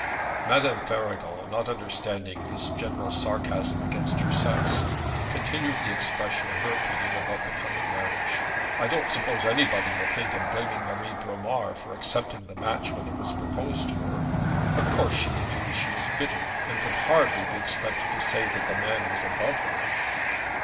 Madame Faragon, not understanding this general sarcasm against her sex, continued the expression of her opinion about the coming marriage. 'I don't suppose anybody will think of blaming Marie Bromar for accepting the match when it was proposed to her. Of course, she would do as she was bidden, and could hardly be expected to say that the man was above her.'